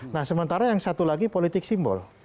nah sementara yang satu lagi politik simbol